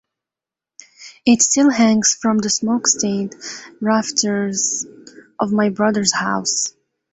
It still hangs from the smoke-stained rafters of my brothers house.